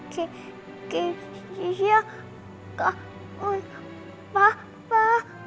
ke kejayaan kakun papa